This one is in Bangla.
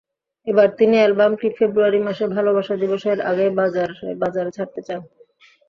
এবার তিনি অ্যালবামটি ফেব্রুয়ারি মাসে ভালোবাসা দিবসের আগেই বাজারে ছাড়তে চান।